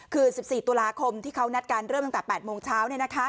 คือ๑๔ตุลาคมที่เขานัดการเริ่มตั้งแต่๘โมงเช้า